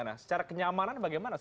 nah secara kenyamanan bagaimana